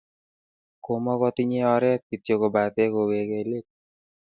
Komakotinyei oret kityo kobate kowekei let